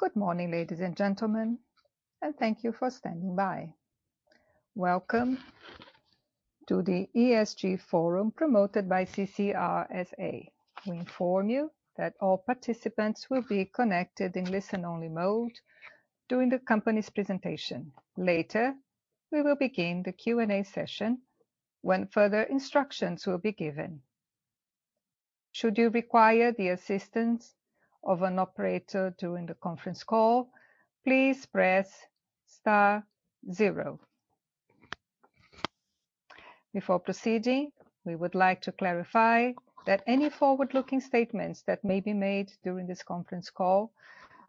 Good morning, ladies and gentlemen, and thank you for standing by. Welcome to the ESG Forum promoted by CCR S.A. We inform you that all participants will be connected in listen-only mode during the company's presentation. Later, we will begin the Q&A session when further instructions will be given. Should you require the assistance of an operator during the conference call, please press star zero. Before proceeding, we would like to clarify that any forward-looking statements that may be made during this conference call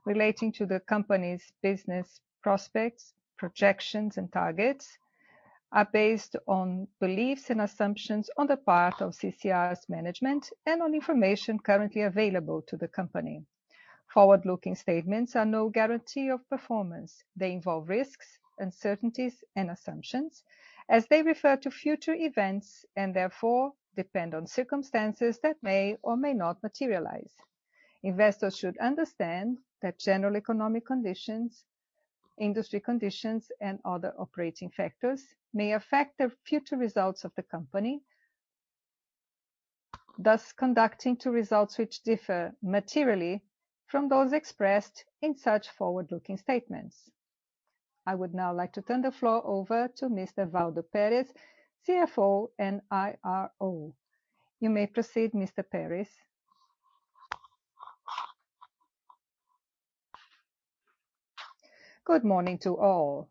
relating to the company's business prospects, projections, and targets are based on beliefs and assumptions on the part of CCR's management and on information currently available to the company. Forward-looking statements are no guarantee of performance. They involve risks, uncertainties, and assumptions as they refer to future events and therefore depend on circumstances that may or may not materialize. Investors should understand that general economic conditions, industry conditions, and other operating factors may affect the future results of the company, thus conducting to results which differ materially from those expressed in such forward-looking statements. I would now like to turn the floor over to Mr. Waldo Perez, CFO and IRO. You may proceed, Mr. Perez. Good morning to all.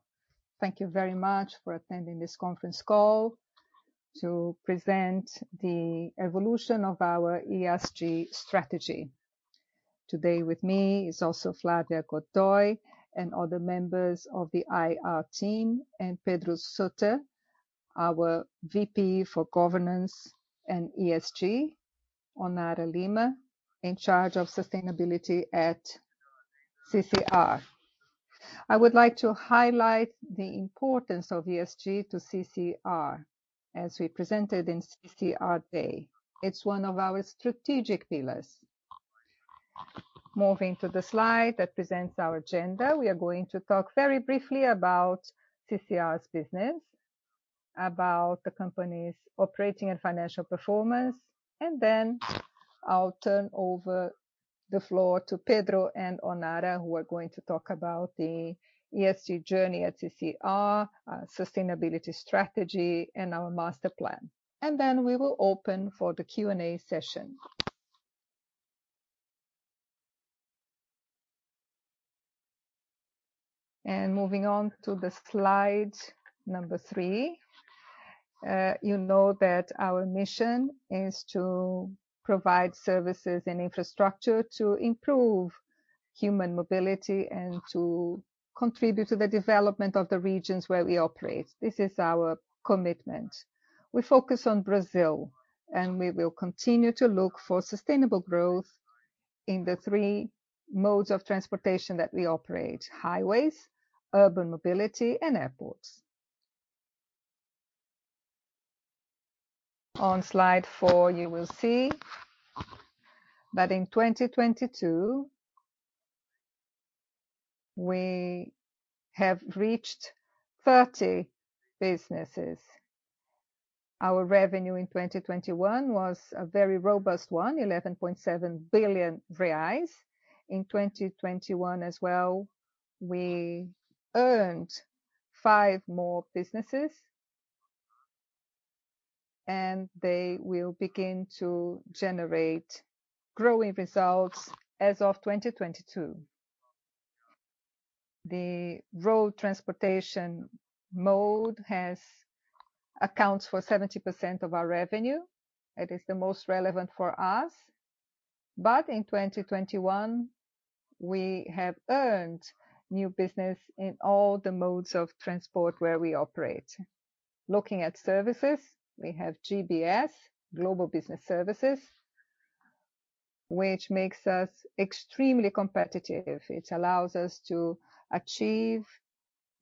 Thank you very much for attending this conference call to present the evolution of our ESG strategy. Today with me is also Flávia Godoy and other members of the IR team, and Pedro Sutter, our VP for Governance and ESG, Onara Lima in charge of sustainability at CCR. I would like to highlight the importance of ESG to CCR as we presented in CCR Day. It's one of our strategic pillars. Moving to the slide that presents our agenda, we are going to talk very briefly about CCR's business, about the company's operating and financial performance, and then I'll turn over the floor to Pedro and Onara who are going to talk about the ESG journey at CCR, sustainability strategy, and our master plan. We will open for the Q&A session. Moving on to slide three, you know that our mission is to provide services and infrastructure to improve human mobility and to contribute to the development of the regions where we operate. This is our commitment. We focus on Brazil, and we will continue to look for sustainable growth in the three modes of transportation that we operate: highways, urban mobility, and airports. On slide four you will see that in 2022 we have reached 30 businesses. Our revenue in 2021 was a very robust one, 11.7 billion reais. In 2021 as well, we earned five more businesses and they will begin to generate growing results as of 2022. The road transportation mode has accounts for 70% of our revenue. It is the most relevant for us. In 2021 we have earned new business in all the modes of transport where we operate. Looking at services, we have GBS, Global Business Services, which makes us extremely competitive. It allows us to achieve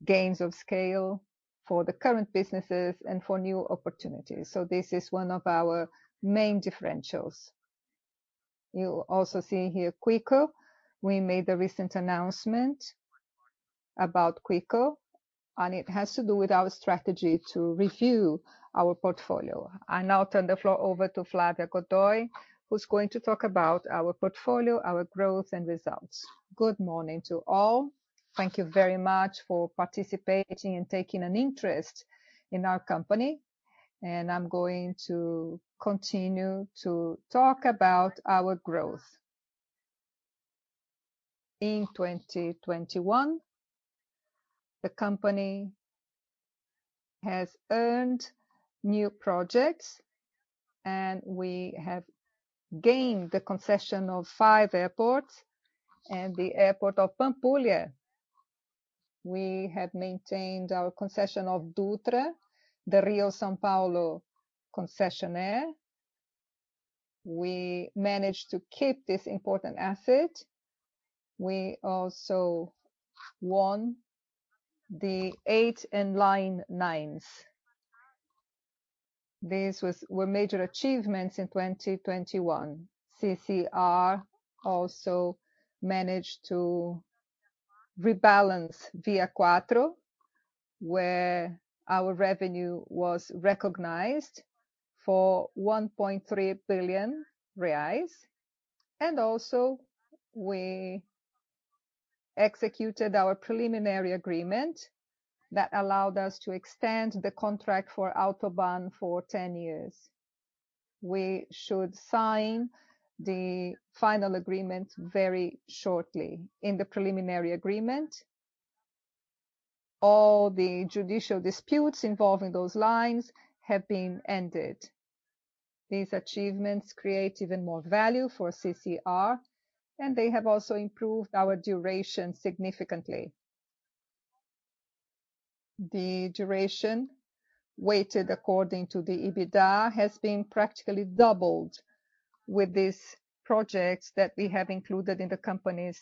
gains of scale for the current businesses and for new opportunities, so this is one of our main differentials. You'll also see here Quicko. We made a recent announcement about Quicko, and it has to do with our strategy to review our portfolio. I now turn the floor over to Flávia Godoy, who's going to talk about our portfolio, our growth, and results. Good morning to all. Thank you very much for participating and taking an interest in our company. I'm going to continue to talk about our growth. In 2021, the company has earned new projects, and we have gained the concession of five airports and the airport of Pampulha. We have maintained our concession of Dutra, the Rio-São Paulo concessionaire. We managed to keep this important asset. We also won the Linha 8 and Linha 9. These were major achievements in 2021. CCR also managed to rebalance ViaQuatro, where our revenue was recognized for 1.3 billion reais. We executed our preliminary agreement that allowed us to extend the contract for AutoBAn for 10 years. We should sign the final agreement very shortly. In the preliminary agreement, all the judicial disputes involving those lines have been ended. These achievements create even more value for CCR, and they have also improved our duration significantly. The duration, weighted according to the EBITDA, has been practically doubled with these projects that we have included in the company's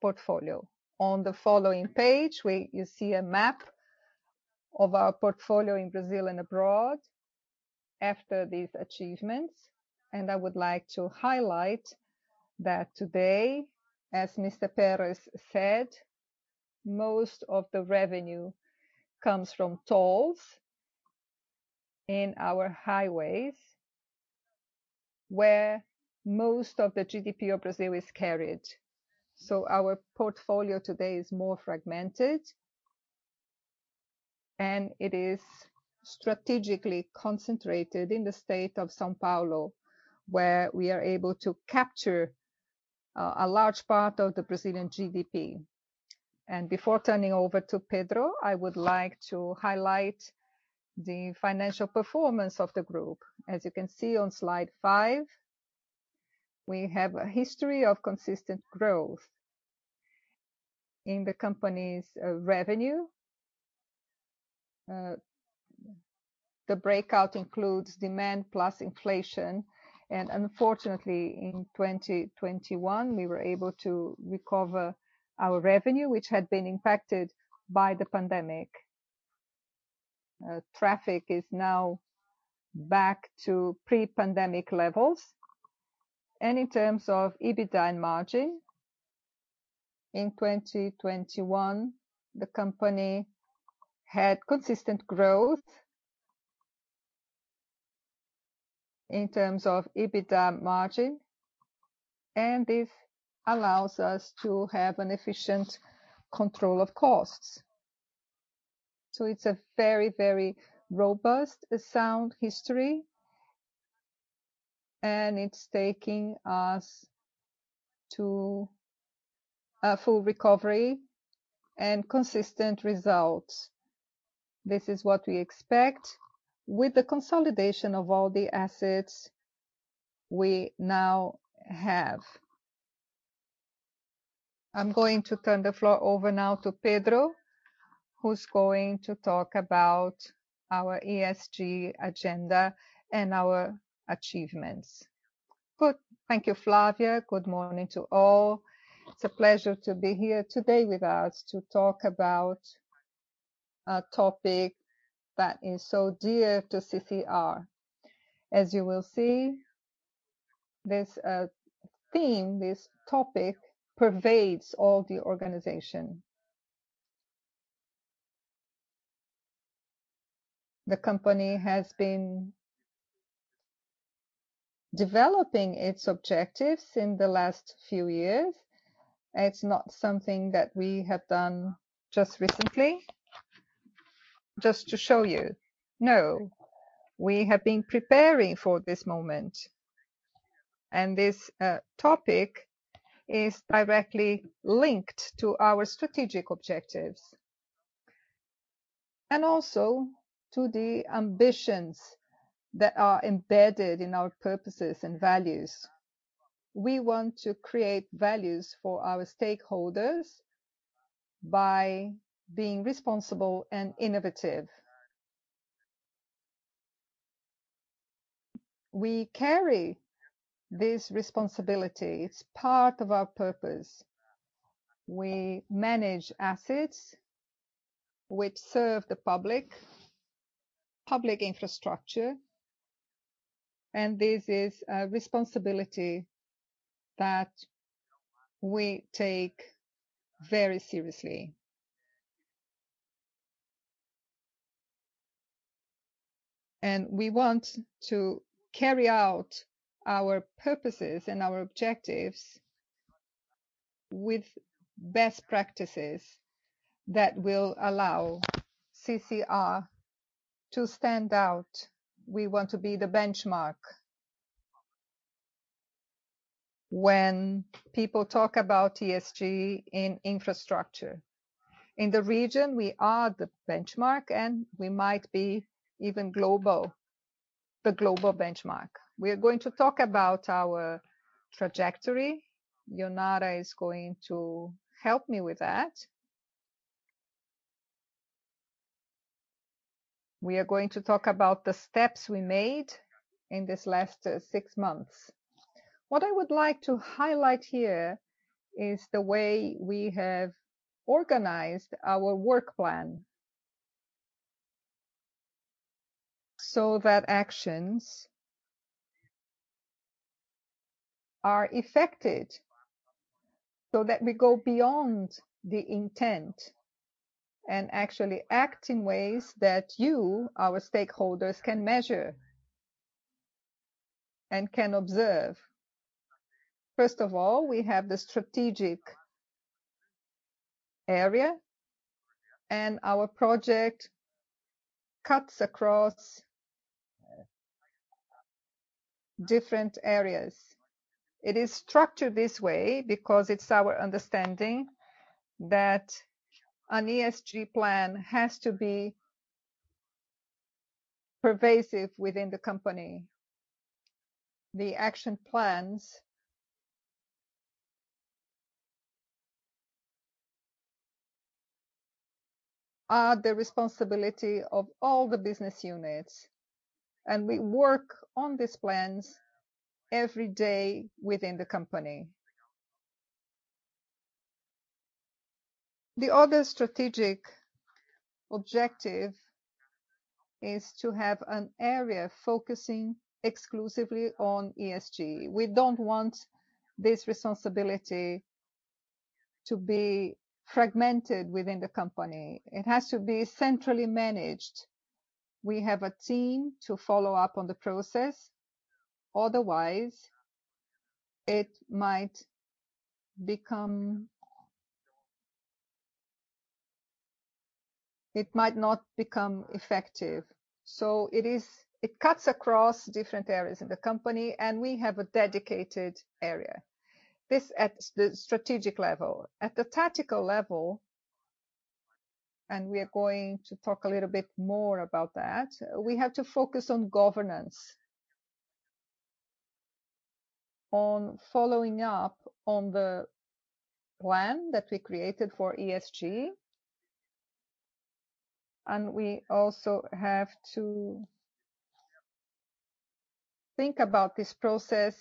portfolio. On the following page, you see a map of our portfolio in Brazil and abroad after these achievements. I would like to highlight that today, as Mr. Perez said, most of the revenue comes from tolls in our highways, where most of the GDP of Brazil is carried. Our portfolio today is more fragmented, and it is strategically concentrated in the state of São Paulo, where we are able to capture a large part of the Brazilian GDP. Before turning over to Pedro, I would like to highlight the financial performance of the group. As you can see on slide five, we have a history of consistent growth in the company's revenue. The breakout includes demand plus inflation. Unfortunately, in 2021, we were able to recover our revenue, which had been impacted by the pandemic. Traffic is now back to pre-pandemic levels. In terms of EBITDA margin, in 2021, the company had consistent growth in terms of EBITDA margin, and this allows us to have an efficient control of costs. It's a very, very robust, sound history, and it's taking us to a full recovery and consistent results. This is what we expect with the consolidation of all the assets we now have. I'm going to turn the floor over now to Pedro, who's going to talk about our ESG agenda and our achievements. Good. Thank you, Flávia. Good morning to all. It's a pleasure to be here today with us to talk about a topic that is so dear to CCR. As you will see, this theme, this topic pervades all the organization. The company has been developing its objectives in the last few years. It's not something that we have done just recently, just to show you. No. We have been preparing for this moment. This topic is directly linked to our strategic objectives and also to the ambitions that are embedded in our purposes and values. We want to create values for our stakeholders by being responsible and innovative. We carry this responsibility. It's part of our purpose. We manage assets which serve the public infrastructure, and this is a responsibility that we take very seriously. We want to carry out our purposes and our objectives with best practices that will allow CCR to stand out. We want to be the benchmark when people talk about ESG in infrastructure. In the region, we are the benchmark, and we might be even global, the global benchmark. We are going to talk about our trajectory. Onara is going to help me with that. We are going to talk about the steps we made in this last six months. What I would like to highlight here is the way we have organized our work plan so that actions are effected so that we go beyond the intent and actually act in ways that you, our stakeholders, can measure and can observe. First of all, we have the strategic area, and our project cuts across different areas. It is structured this way because it's our understanding that an ESG plan has to be pervasive within the company. The action plans are the responsibility of all the business units, and we work on these plans every day within the company. The other strategic objective is to have an area focusing exclusively on ESG. We don't want this responsibility to be fragmented within the company. It has to be centrally managed. We have a team to follow up on the process, otherwise it might not become effective. It cuts across different areas in the company, and we have a dedicated area. This is at the strategic level. At the tactical level, and we are going to talk a little bit more about that, we have to focus on governance, on following up on the plan that we created for ESG, and we also have to think about this process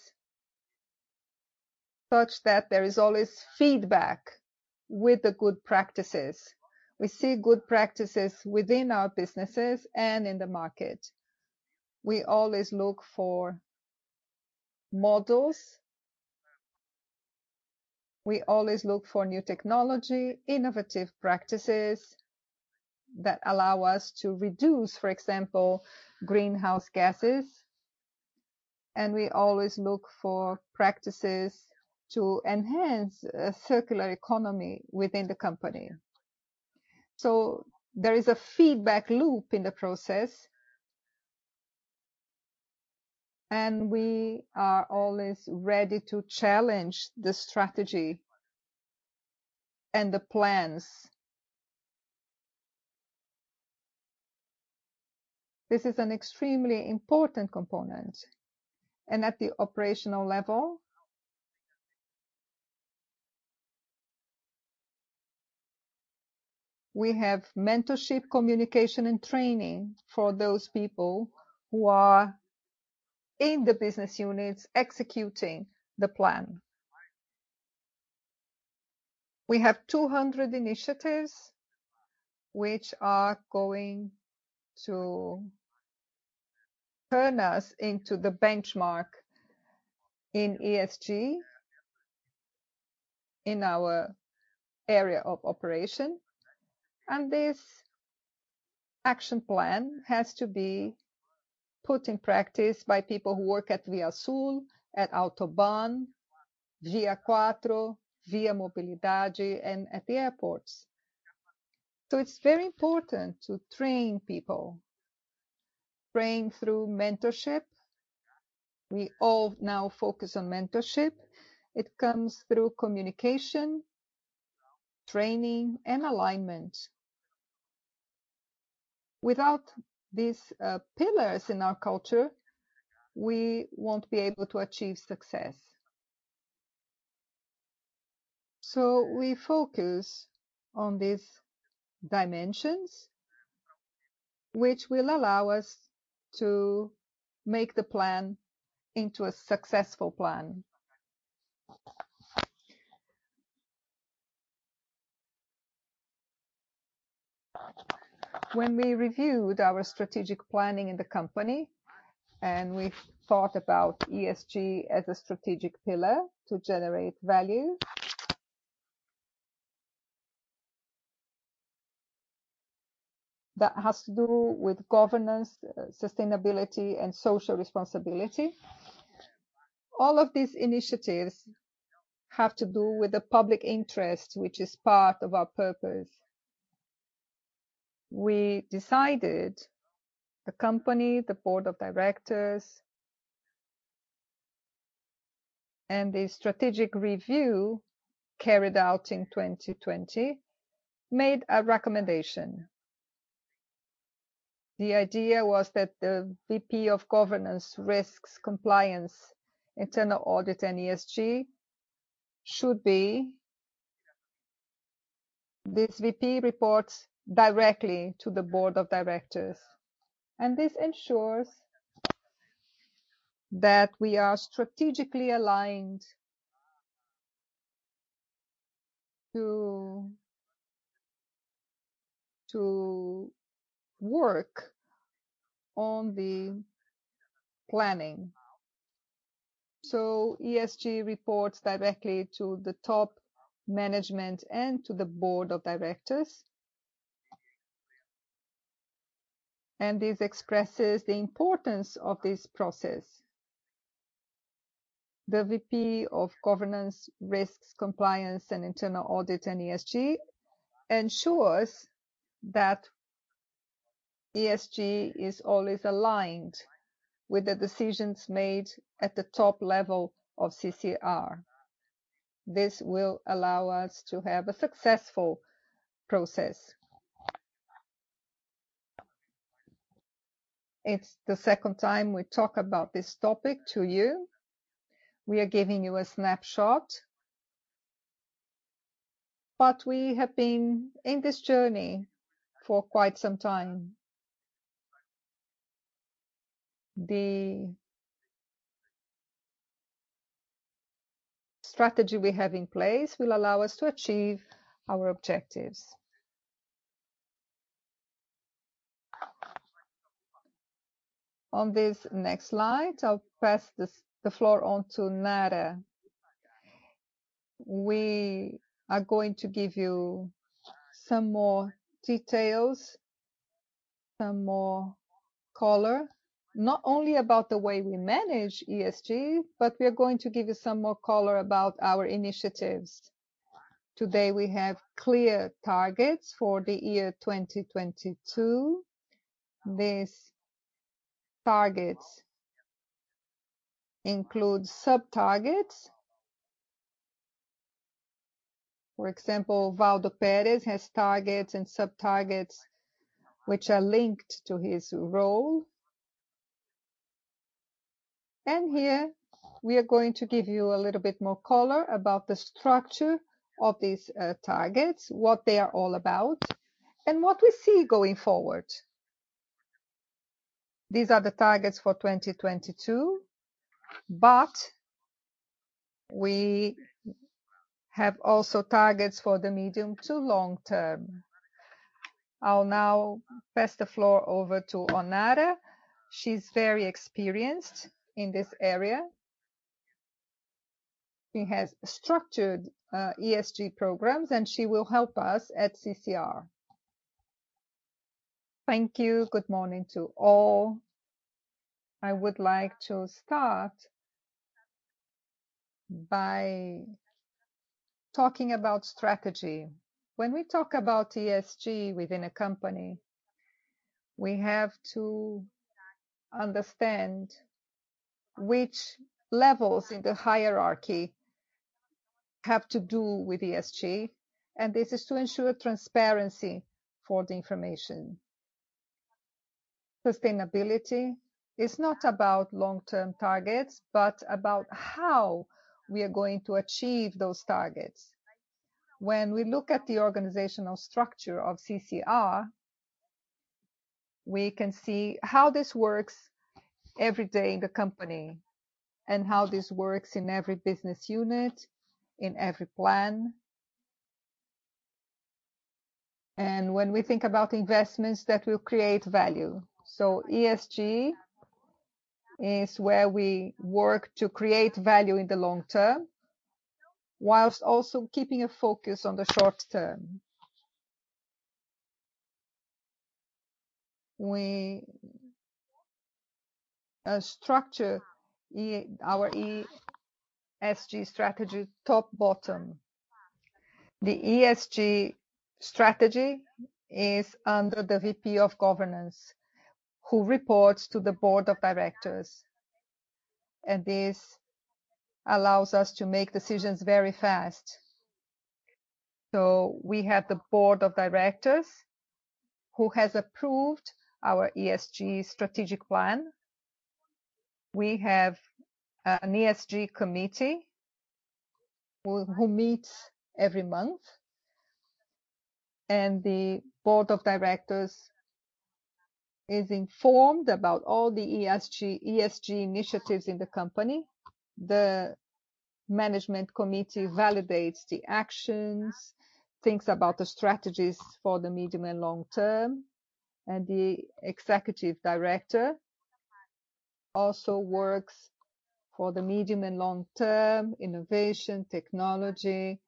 such that there is always feedback with the good practices. We see good practices within our businesses and in the market. We always look for models. We always look for new technology, innovative practices that allow us to reduce, for example, greenhouse gases, and we always look for practices to enhance a circular economy within the company. So there is a feedback loop in the process, and we are always ready to challenge the strategy and the plans. This is an extremely important component. At the operational level, we have mentorship, communication, and training for those people who are in the business units executing the plan. We have 200 initiatives which are going to turn us into the benchmark in ESG in our area of operation. This action plan has to be put in practice by people who work at ViaSul, at AutoBAn, ViaQuatro, ViaMobilidade, and at the airports. It's very important to train people. Train through mentorship. We all now focus on mentorship. It comes through communication, training, and alignment. Without these pillars in our culture, we won't be able to achieve success. We focus on these dimensions, which will allow us to make the plan into a successful plan. When we reviewed our strategic planning in the company, and we thought about ESG as a strategic pillar to generate value that has to do with governance, sustainability, and social responsibility, all of these initiatives have to do with the public interest, which is part of our purpose. We decided, the company, the board of directors, and the strategic review carried out in 2020 made a recommendation. The idea was that the VP of Governance, Risks, Compliance, Internal Audit, and ESG should be. This VP reports directly to the board of directors, and this ensures that we are strategically aligned to work on the planning. ESG reports directly to the top management and to the board of directors. This expresses the importance of this process. The VP of Governance, Risks, Compliance, and Internal Audit and ESG ensures that ESG is always aligned with the decisions made at the top level of CCR. This will allow us to have a successful process. It's the second time we talk about this topic to you. We are giving you a snapshot, but we have been in this journey for quite some time. The strategy we have in place will allow us to achieve our objectives. On this next slide, I'll pass the floor on to Onara. We are going to give you some more details, some more color, not only about the way we manage ESG, but we are going to give you some more color about our initiatives. Today, we have clear targets for the year 2022. These targets include sub-targets. For example, Waldo Perez has targets and sub-targets which are linked to his role. Here we are going to give you a little bit more color about the structure of these, targets, what they are all about, and what we see going forward. These are the targets for 2022, but we have also targets for the medium to long term. I'll now pass the floor over to Onara. She's very experienced in this area. She has structured, ESG programs, and she will help us at CCR. Thank you. Good morning to all. I would like to start by talking about strategy. When we talk about ESG within a company, we have to understand which levels in the hierarchy have to do with ESG, and this is to ensure transparency for the information. Sustainability is not about long-term targets, but about how we are going to achieve those targets. When we look at the organizational structure of CCR, we can see how this works every day in the company and how this works in every business unit, in every plan, and when we think about investments that will create value. ESG is where we work to create value in the long term while also keeping a focus on the short term. We structure our ESG strategy top bottom. The ESG strategy is under the VP of governance who reports to the board of directors, and this allows us to make decisions very fast. We have the board of directors who has approved our ESG strategic plan. We have an ESG committee who meets every month, and the board of directors is informed about all the ESG initiatives in the company. The management committee validates the actions, thinks about the strategies for the medium and long term. The executive director also works for the medium and long term, innovation, technology,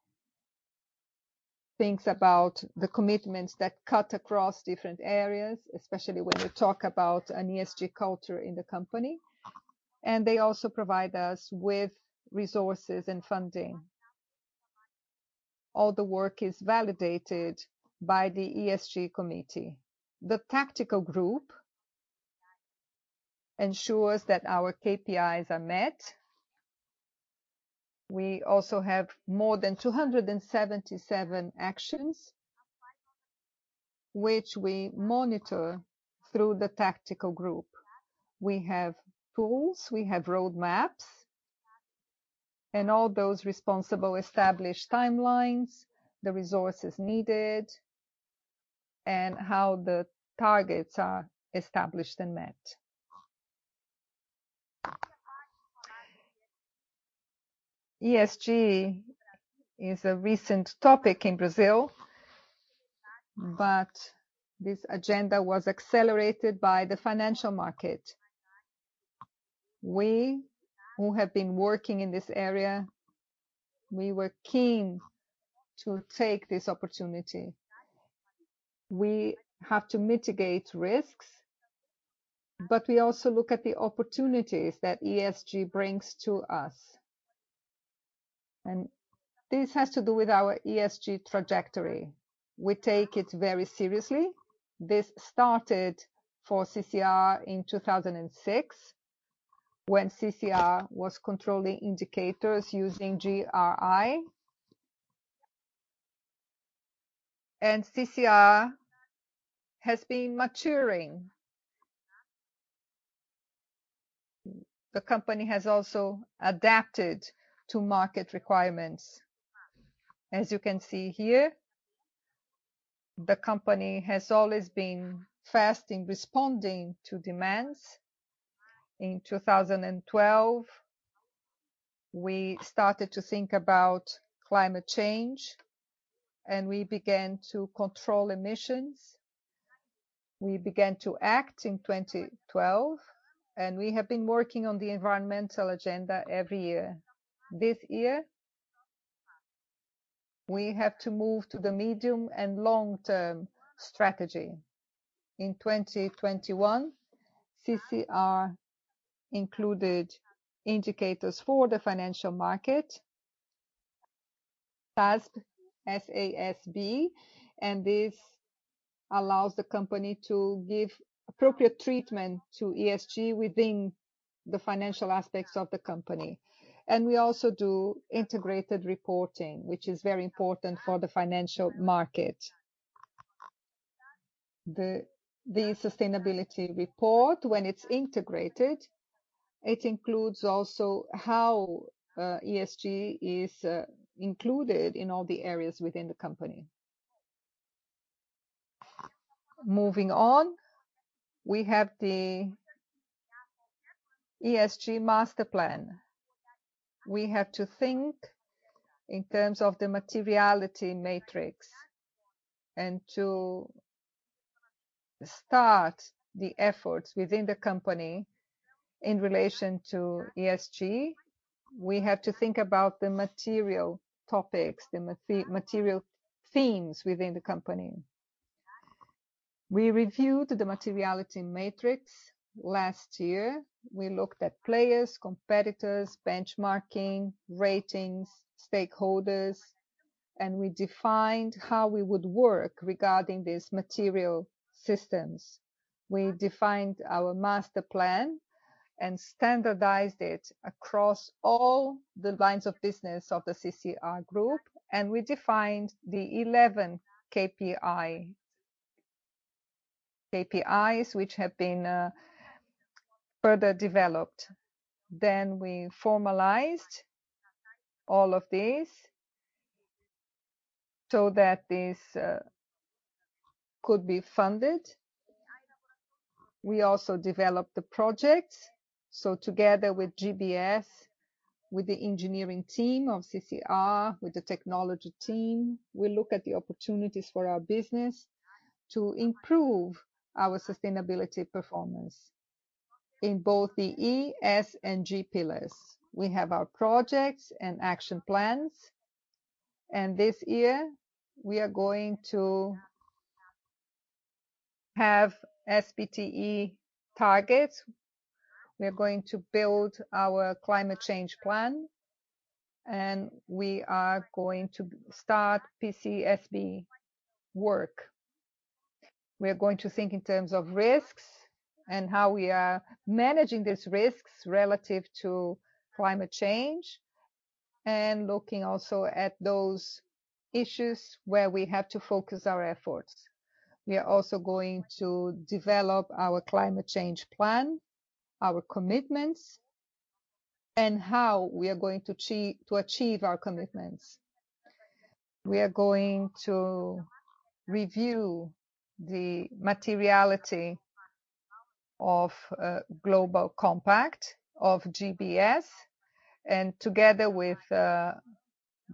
thinks about the commitments that cut across different areas, especially when we talk about an ESG culture in the company, and they also provide us with resources and funding. All the work is validated by the ESG committee. The tactical group ensures that our KPIs are met. We also have more than 277 actions which we monitor through the tactical group. We have tools, we have roadmaps. All those responsible establish timelines, the resources needed, and how the targets are established and met. ESG is a recent topic in Brazil, but this agenda was accelerated by the financial market. We who have been working in this area, we were keen to take this opportunity. We have to mitigate risks, but we also look at the opportunities that ESG brings to us. This has to do with our ESG trajectory. We take it very seriously. This started for CCR in 2006 when CCR was controlling indicators using GRI. CCR has been maturing. The company has also adapted to market requirements. As you can see here, the company has always been fast in responding to demands. In 2012, we started to think about climate change, and we began to control emissions. We began to act in 2012, and we have been working on the environmental agenda every year. This year, we have to move to the medium and long-term strategy. In 2021, CCR included indicators for the financial market, SASB, S-A-S-B, and this allows the company to give appropriate treatment to ESG within the financial aspects of the company. We also do integrated reporting, which is very important for the financial market. The sustainability report, when it's integrated, it includes also how ESG is included in all the areas within the company. Moving on, we have the ESG master plan. We have to think in terms of the materiality matrix. To start the efforts within the company in relation to ESG, we have to think about the material topics, the material themes within the company. We reviewed the materiality matrix last year. We looked at players, competitors, benchmarking, ratings, stakeholders, and we defined how we would work regarding these material systems. We defined our master plan and standardized it across all the lines of business of the CCR group, and we defined the 11 KPIs, which have been further developed. We formalized all of these so that this could be funded. We also developed the projects. Together with GBS, with the engineering team of CCR, with the technology team, we look at the opportunities for our business to improve our sustainability performance in both the E, S, and G pillars. We have our projects and action plans. This year we are going to have SBT targets. We're going to build our climate change plan, and we are going to start PCSB work. We are going to think in terms of risks and how we are managing these risks relative to climate change and looking also at those issues where we have to focus our efforts. We are also going to develop our climate change plan, our commitments, and how we are going to to achieve our commitments. We are going to review the materiality of Global Compact of GBS. Together with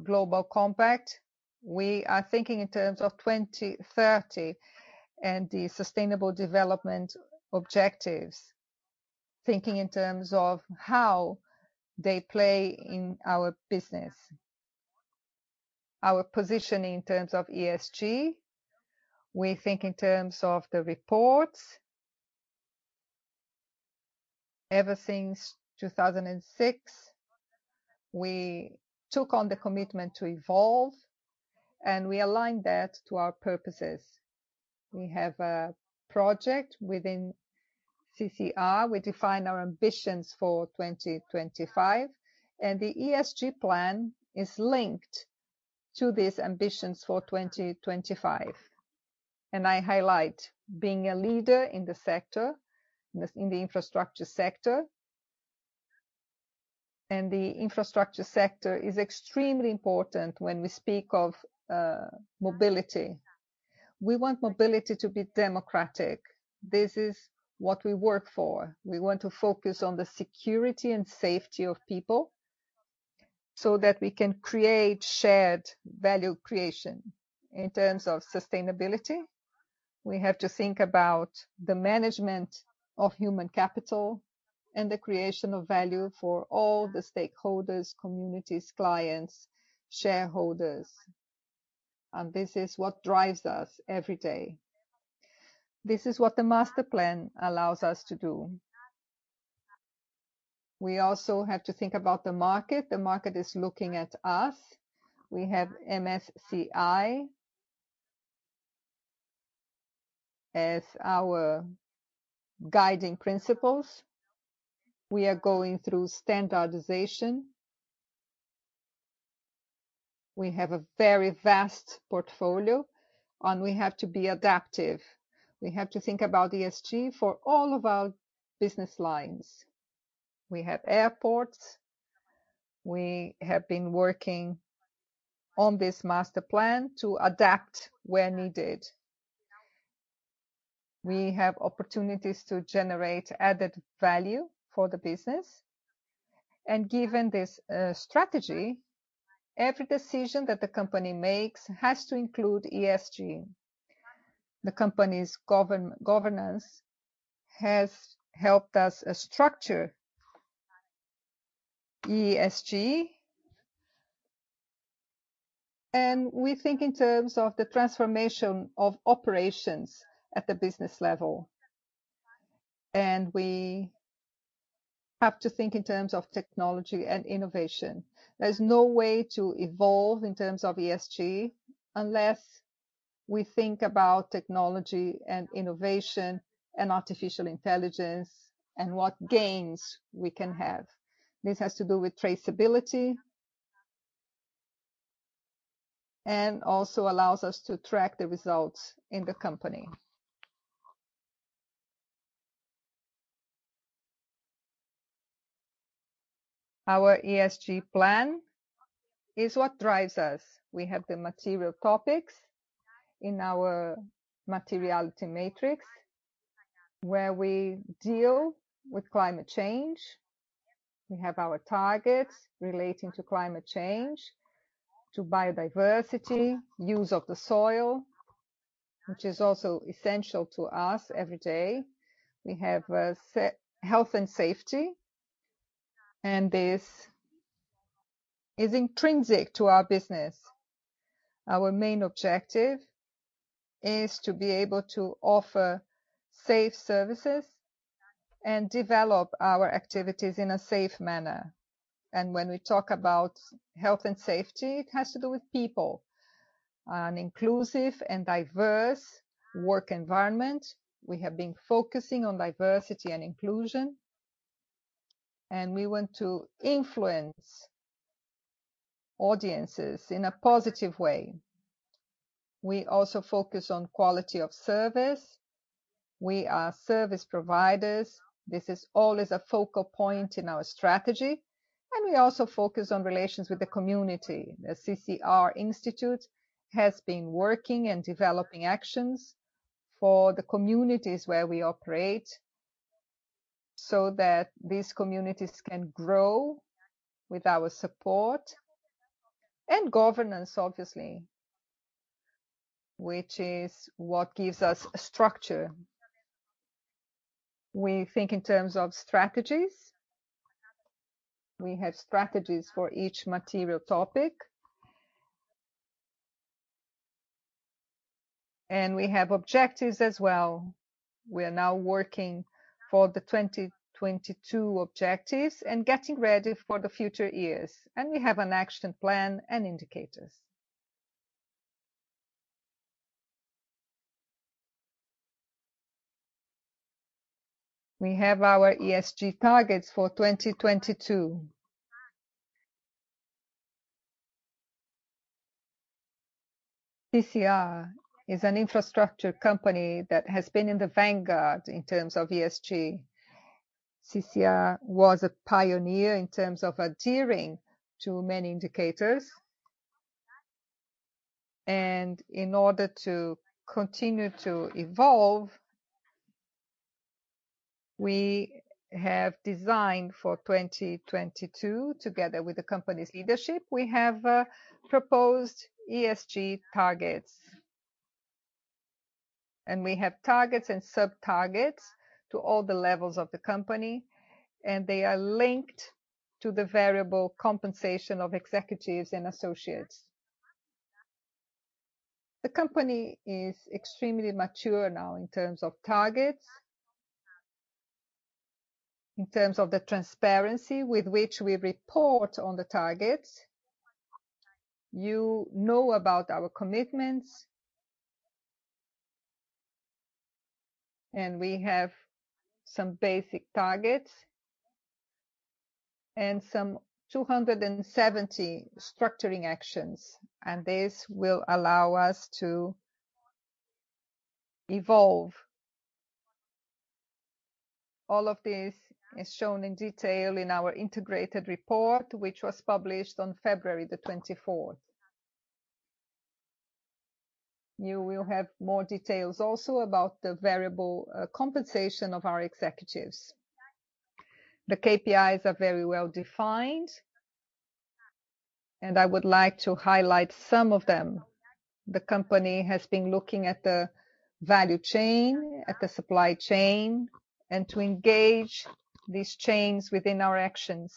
Global Compact, we are thinking in terms of 2030 and the sustainable development objectives, thinking in terms of how they play in our business. Our position in terms of ESG, we think in terms of the reports. Ever since 2006, we took on the commitment to evolve, and we aligned that to our purposes. We have a project within CCR. We define our ambitions for 2025, and the ESG plan is linked to these ambitions for 2025. I highlight being a leader in the sector, in the infrastructure sector. The infrastructure sector is extremely important when we speak of mobility. We want mobility to be democratic. This is what we work for. We want to focus on the security and safety of people so that we can create shared value creation. In terms of sustainability, we have to think about the management of human capital and the creation of value for all the stakeholders, communities, clients, shareholders, and this is what drives us every day. This is what the master plan allows us to do. We also have to think about the market. The market is looking at us. We have MSCI as our guiding principles. We are going through standardization. We have a very vast portfolio, and we have to be adaptive. We have to think about ESG for all of our business lines. We have airports. We have been working on this master plan to adapt where needed. We have opportunities to generate added value for the business. Given this strategy, every decision that the company makes has to include ESG. The company's governance has helped us structure ESG, and we think in terms of the transformation of operations at the business level, and we have to think in terms of technology and innovation. There's no way to evolve in terms of ESG unless we think about technology and innovation and artificial intelligence, and what gains we can have. This has to do with traceability, and also allows us to track the results in the company. Our ESG plan is what drives us. We have the material topics in our materiality matrix, where we deal with climate change. We have our targets relating to climate change, to biodiversity, use of the soil, which is also essential to us every day. We have health and safety, and this is intrinsic to our business. Our main objective is to be able to offer safe services and develop our activities in a safe manner. When we talk about health and safety, it has to do with people, an inclusive and diverse work environment. We have been focusing on diversity and inclusion, and we want to influence audiences in a positive way. We also focus on quality of service. We are service providers. This is always a focal point in our strategy, and we also focus on relations with the community. The CCR Institute has been working and developing actions for the communities where we operate so that these communities can grow with our support and governance, obviously, which is what gives us structure. We think in terms of strategies. We have strategies for each material topic. We have objectives as well. We are now working for the 2022 objectives and getting ready for the future years, and we have an action plan and indicators. We have our ESG targets for 2022. CCR is an infrastructure company that has been in the vanguard in terms of ESG. CCR was a pioneer in terms of adhering to many indicators. In order to continue to evolve, we have designed for 2022, together with the company's leadership, we have proposed ESG targets. We have targets and sub-targets to all the levels of the company, and they are linked to the variable compensation of executives and associates. The company is extremely mature now in terms of targets, in terms of the transparency with which we report on the targets. You know about our commitments. We have some basic targets and 270 structuring actions, and this will allow us to evolve. All of this is shown in detail in our integrated report, which was published on February 24th. You will have more details also about the variable compensation of our executives. The KPIs are very well-defined, and I would like to highlight some of them. The company has been looking at the value chain, at the supply chain, and to engage these chains within our actions.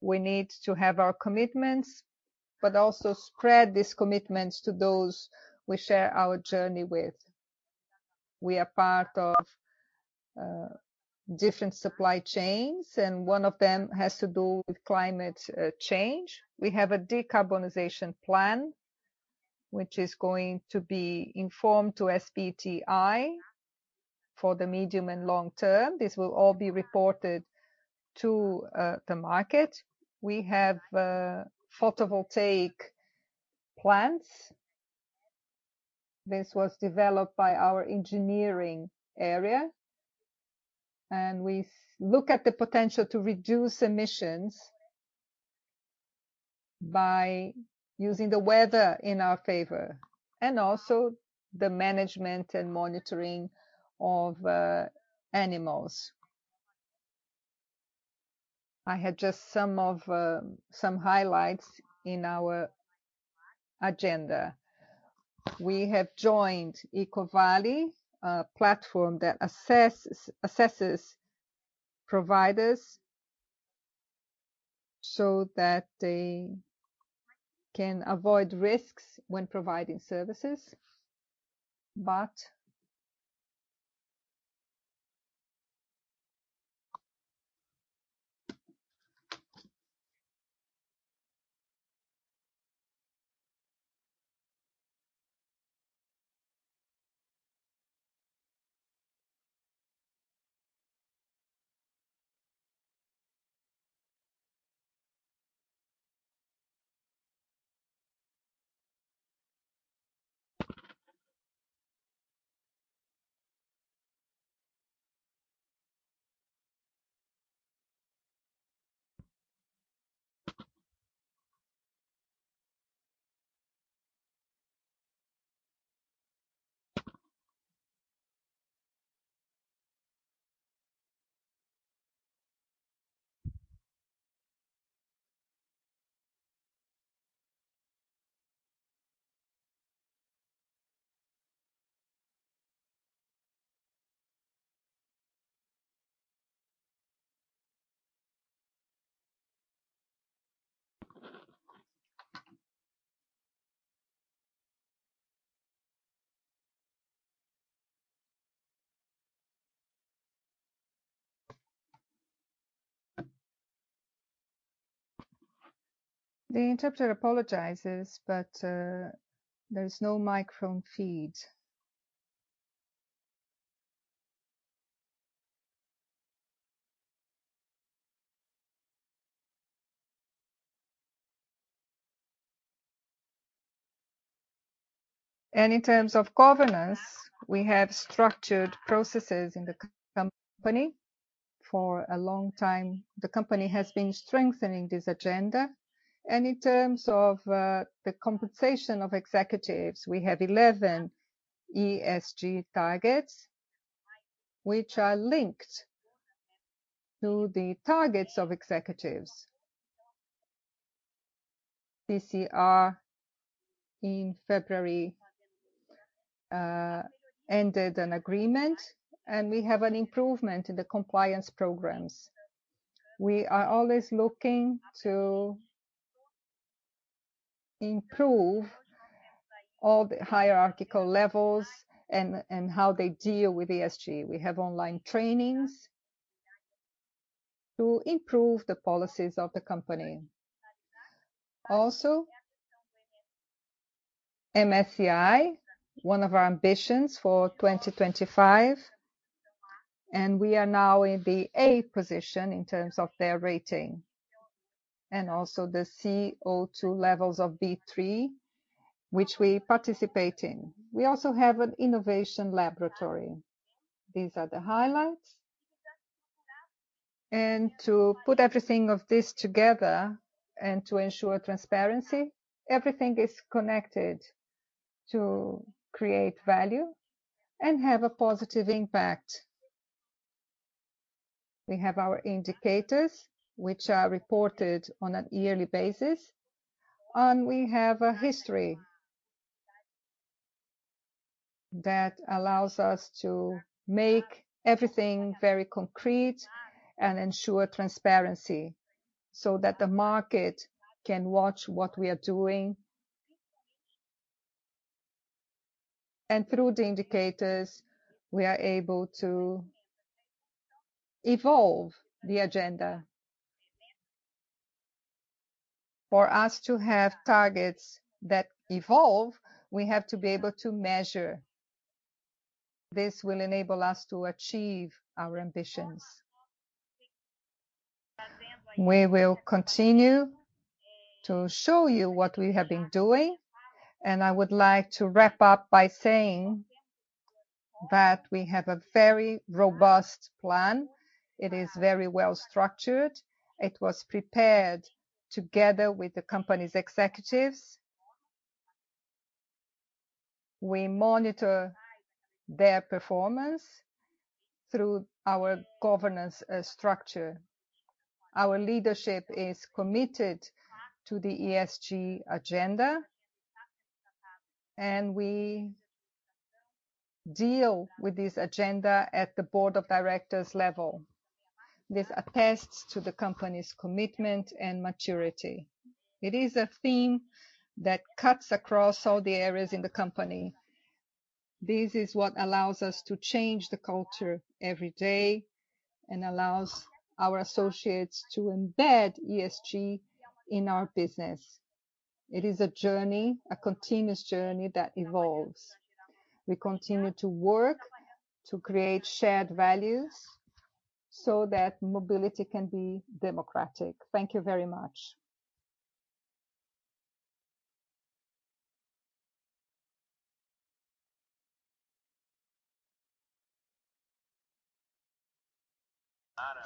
We need to have our commitments, but also spread these commitments to those we share our journey with. We are part of different supply chains, and one of them has to do with climate change. We have a decarbonization plan which is going to be informed to SBTi for the medium and long term. This will all be reported to the market. We have photovoltaic plants. This was developed by our engineering area. We look at the potential to reduce emissions by using the weather in our favor, and also the management and monitoring of animals. I had just some highlights in our agenda. We have joined EcoVadis, a platform that assesses providers so that they can avoid risks when providing services. The interpreter apologizes, but there's no microphone feed. In terms of governance, we have structured processes in the company. For a long time, the company has been strengthening this agenda. In terms of the compensation of executives, we have 11 ESG targets, which are linked to the targets of executives. CCR in February ended an agreement, and we have an improvement in the compliance programs. We are always looking to improve all the hierarchical levels and how they deal with ESG. We have online trainings to improve the policies of the company. Also, MSCI, one of our ambitions for 2025, and we are now in the A position in terms of their rating, and also the ICO2 levels of B3, which we participate in. We also have an innovation laboratory. These are the highlights. To put everything of this together and to ensure transparency, everything is connected to create value and have a positive impact. We have our indicators, which are reported on a yearly basis, and we have a history that allows us to make everything very concrete and ensure transparency so that the market can watch what we are doing. Through the indicators, we are able to evolve the agenda. For us to have targets that evolve, we have to be able to measure. This will enable us to achieve our ambitions. We will continue to show you what we have been doing, and I would like to wrap up by saying that we have a very robust plan. It is very well-structured. It was prepared together with the company's executives. We monitor their performance through our governance structure. Our leadership is committed to the ESG agenda, and we deal with this agenda at the board of directors level. This attests to the company's commitment and maturity. It is a theme that cuts across all the areas in the company. This is what allows us to change the culture every day and allows our associates to embed ESG in our business. It is a journey, a continuous journey that evolves. We continue to work to create shared values so that mobility can be democratic. Thank you very much.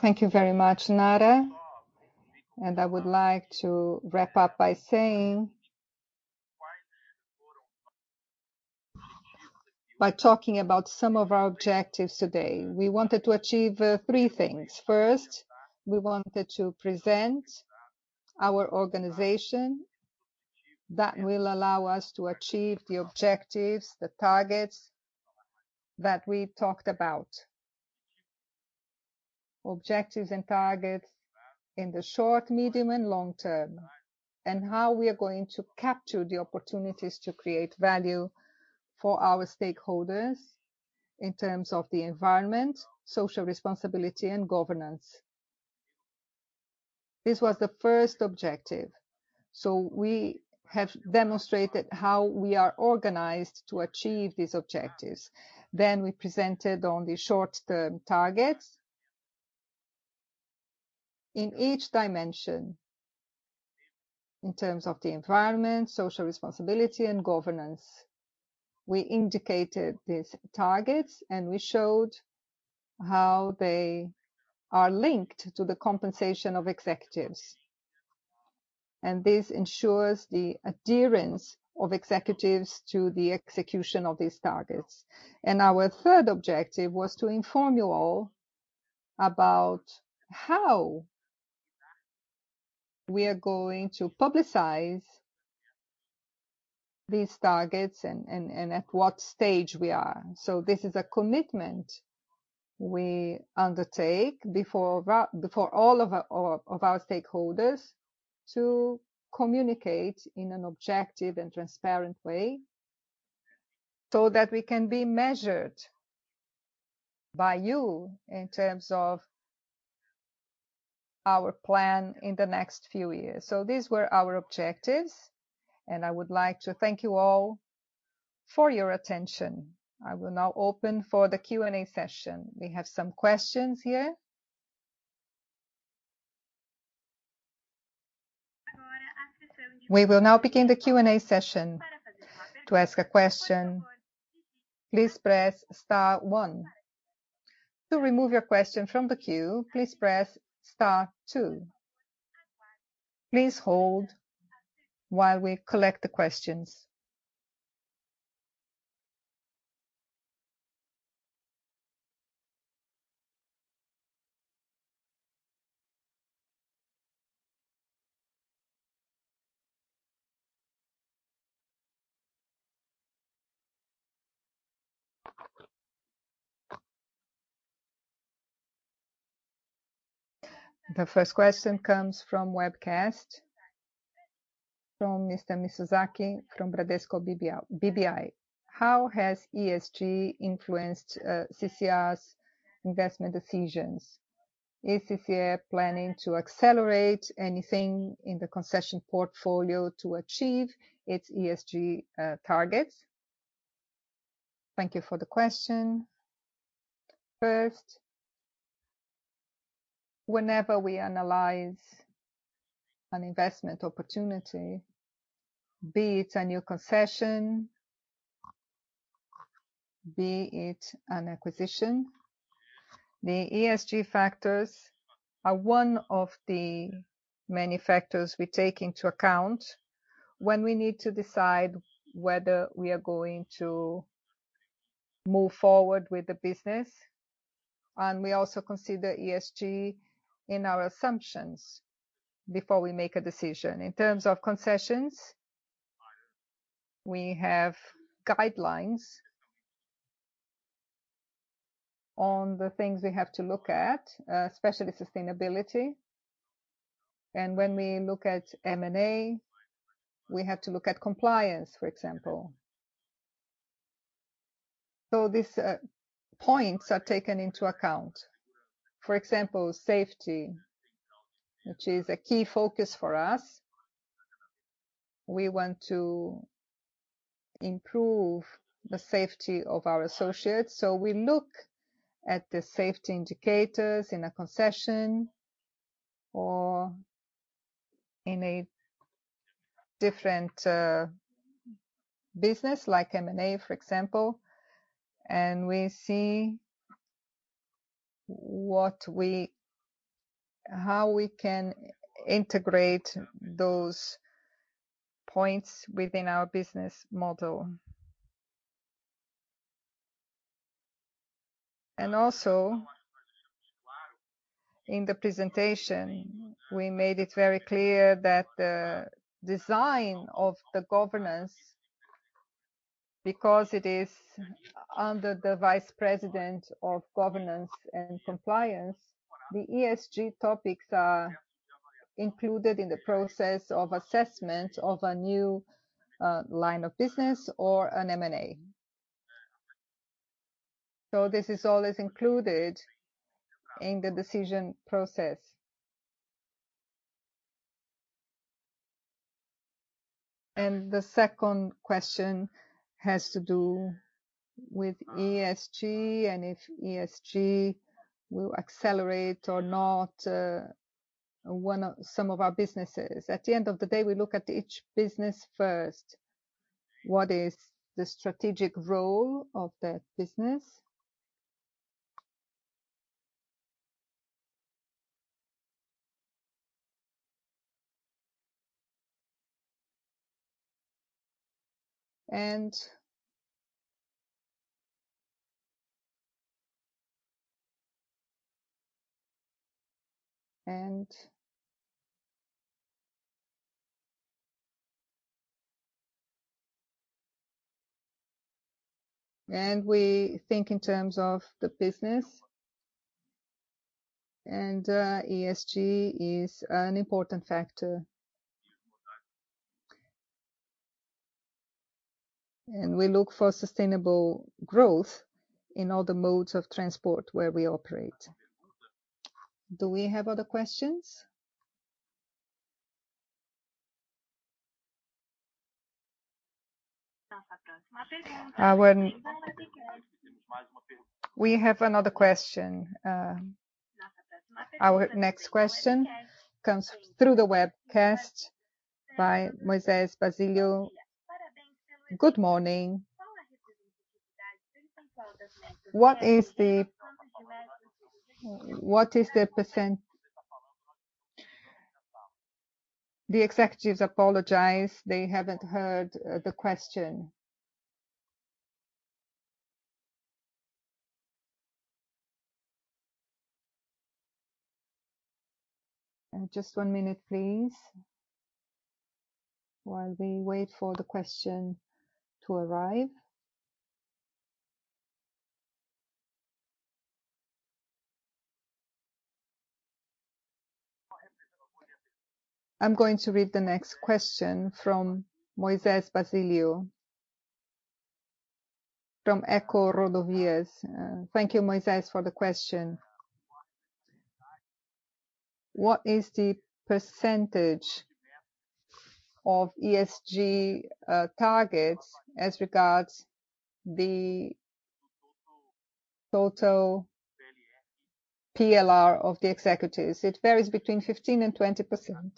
Thank you very much, Onara. I would like to wrap up by talking about some of our objectives today. We wanted to achieve three things. First, we wanted to present our organization that will allow us to achieve the objectives, the targets that we talked about. Objectives and targets in the short, medium, and long term, and how we are going to capture the opportunities to create value for our stakeholders in terms of the environment, social responsibility, and governance. This was the first objective. We have demonstrated how we are organized to achieve these objectives. We presented on the short-term targets in each dimension in terms of the environment, social responsibility, and governance. We indicated these targets, and we showed how they are linked to the compensation of executives, and this ensures the adherence of executives to the execution of these targets. Our third objective was to inform you all about how we are going to publicize these targets and at what stage we are. This is a commitment we undertake before all of our stakeholders to communicate in an objective and transparent way so that we can be measured by you in terms of our plan in the next few years. These were our objectives, and I would like to thank you all for your attention. I will now open for the Q&A session. We have some questions here. We will now begin the Q&A session. The first question comes from webcast, from Mr. Mizusaki from Bradesco BBI. How has ESG influenced CCR's investment decisions? Is CCR planning to accelerate anything in the concession portfolio to achieve its ESG targets? Thank you for the question. First, whenever we analyze an investment opportunity, be it a new concession, be it an acquisition, the ESG factors are one of the many factors we take into account when we need to decide whether we are going to move forward with the business. We also consider ESG in our assumptions before we make a decision. In terms of concessions, we have guidelines on the things we have to look at, especially sustainability. When we look at M&A, we have to look at compliance, for example. These points are taken into account. For example, safety, which is a key focus for us. We want to improve the safety of our associates, so we look at the safety indicators in a concession or in a different business like M&A, for example, and we see how we can integrate those points within our business model. In the presentation, we made it very clear that the design of the governance, because it is under the Vice President of governance and compliance, the ESG topics are included in the process of assessment of a new line of business or an M&A. This is always included in the decision process. The second question has to do with ESG and if ESG will accelerate or not, some of our businesses. At the end of the day, we look at each business first. What is the strategic role of that business? We think in terms of the business and, ESG is an important factor. We look for sustainable growth in all the modes of transport where we operate. Do we have other questions? We have another question. Our next question comes through the webcast by Moisés Basílio. Good morning. What is the percent... The executives apologize, they haven't heard the question. Just one minute, please, while we wait for the question to arrive. I'm going to read the next question from Moisés Basílio from EcoRodovias. Thank you, Moisés, for the question. What is the percentage of ESG targets as regards the total PLR of the executives? It varies between 15% and 20%,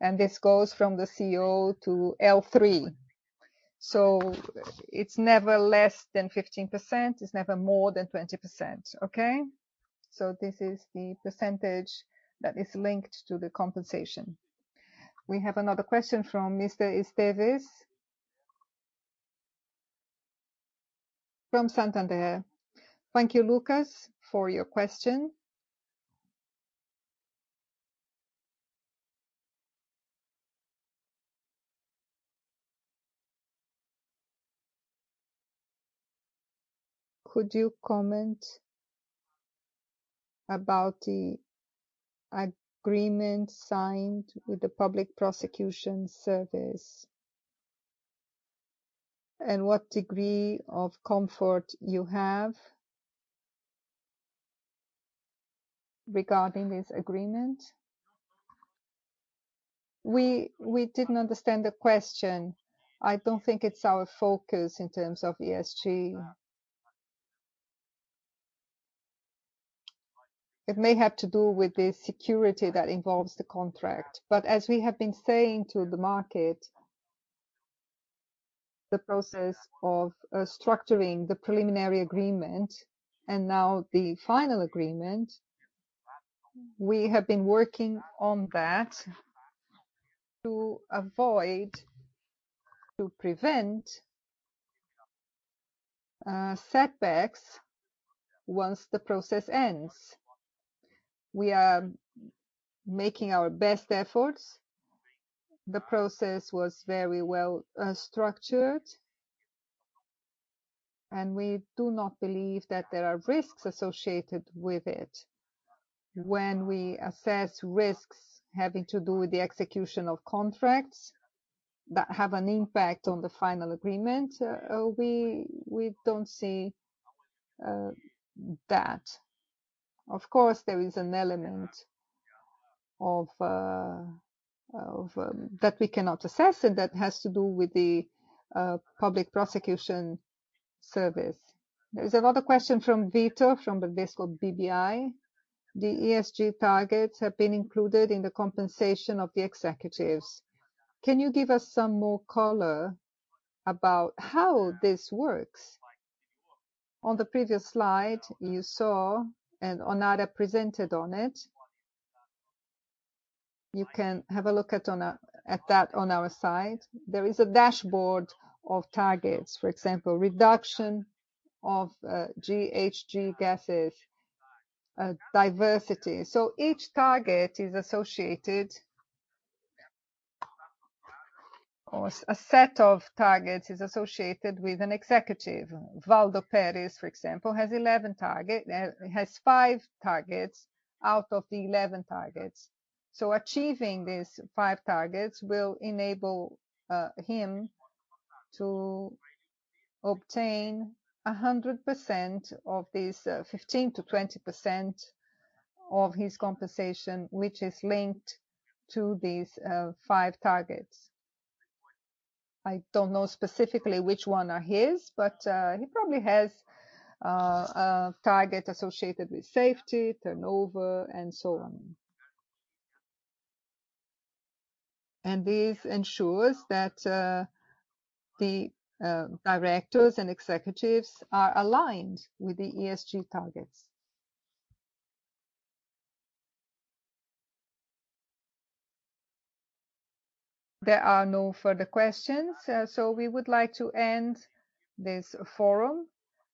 and this goes from the CEO to L3. It's never less than 15%, it's never more than 20%. Okay? This is the percentage that is linked to the compensation. We have another question from Mr. Esteves from Santander. Thank you, Lucas, for your question. Could you comment about the agreement signed with the Public Prosecution Service, and what degree of comfort you have regarding this agreement? We didn't understand the question. I don't think it's our focus in terms of ESG. It may have to do with the security that involves the contract. As we have been saying to the market, the process of structuring the preliminary agreement and now the final agreement, we have been working on that to prevent setbacks once the process ends. We are making our best efforts. The process was very well structured, and we do not believe that there are risks associated with it. When we assess risks having to do with the execution of contracts that have an impact on the final agreement, we don't see that. Of course, there is an element of that we cannot assess and that has to do with the Public Prosecution Service. There's another question from Victor Mizusaki from the desk called BBI. The ESG targets have been included in the compensation of the executives. Can you give us some more color about how this works? On the previous slide, you saw, and Onara presented on it. You can have a look at that on our site. There is a dashboard of targets, for example, reduction of GHG gases, diversity. Each target is associated, or a set of targets is associated with an executive. Waldo Perez, for example, has five targets out of the 11 targets. Achieving these five targets will enable him to obtain 100% of this 15%-20% of his compensation, which is linked to these five targets. I don't know specifically which one are his, but he probably has a target associated with safety, turnover, and so on. This ensures that the directors and executives are aligned with the ESG targets. There are no further questions, so we would like to end this forum.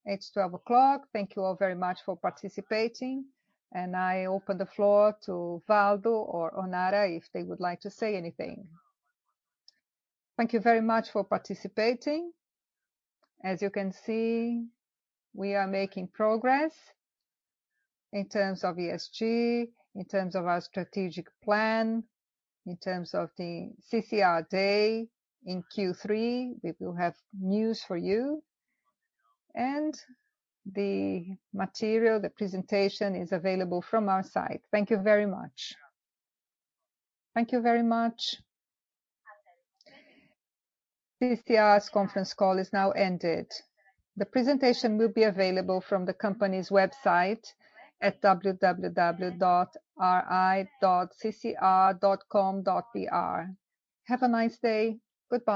It's 12:00P.M. Thank you all very much for participating, and I open the floor to Waldo or Onara if they would like to say anything. Thank you very much for participating. As you can see, we are making progress in terms of ESG, in terms of our strategic plan, in terms of the CCR day in Q3. We will have news for you. The material, the presentation is available from our site. Thank you very much. CCR's conference call is now ended. The presentation will be available from the company's website at ri.ccr.com.br. Have a nice day. Goodbye.